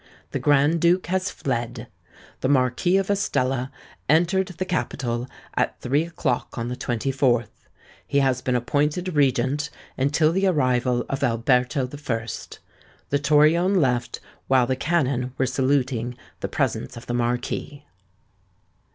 The Grand Duke has fled._ THE MARQUIS OF ESTELLA entered the capital at three o'clock on the 24th. He has been appointed Regent until the arrival of ALBERTO I. The Torione left while the cannon were saluting the presence of the MARQUIS.'"